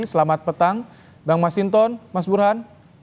selamat petang bang masinton mas burhan